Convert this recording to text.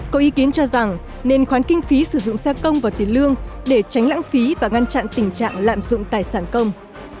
có ý kiến cho rằng nên khoán kinh phí sử dụng xe công vào tiền lương để tránh lãng phí và ngăn chặn tình trạng lạm dụng tài sản công